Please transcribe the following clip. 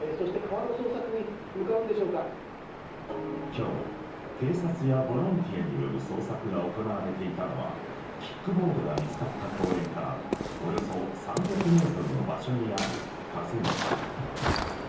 今日警察やボランティアによる捜索が行われていたのはキックボードが見つかった公園からおよそ３００ｍの場所にある河川敷。